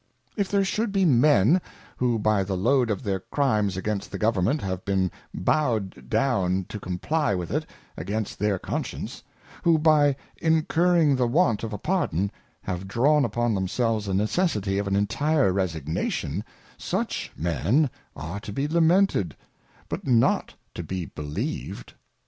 If there should be Men, who by the load of thei r Crimes against the Government, have been bowed down to comply with it against their Conscience; who by incurring the want of a Pardon, have drawn upon themselves a necessity of an entire Resignation ; such, men are to be lamented, but not_to be believed.